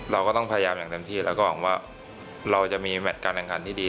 เราก็ต้องพยายามอย่างเต็มที่แล้วก็หวังว่าเราจะมีแมทการแข่งขันที่ดี